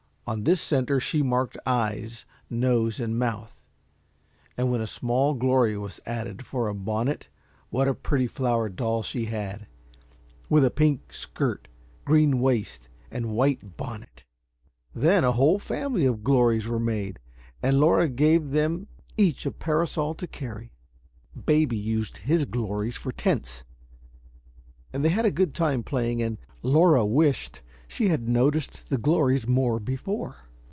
On this center she marked eyes, nose, and mouth; and when a small glory was added for a bonnet, what a pretty flower doll she had, with a pink skirt, green waist, and white bonnet! Then a whole family of glories were made, and Laura gave them each a parasol to carry. Baby used his glories for tents, and they had a good time playing, and Laura wished she had noticed the glories more before.